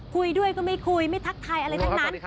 คุยด้วยก็ไม่คุยไม่ทักทายอะไรทั้งนั้น